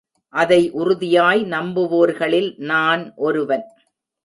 அதை உறுதியாய் நம்புவோர்களில் நான் ஒருவன்.